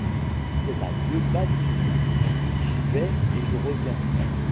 C'est à deux pas d'ici, j’y vais et je reviens.